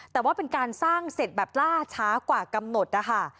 แต่ว่าเป็นการสร้างเสร็จแบบล่าช้ากว่ากำหนดนะคะ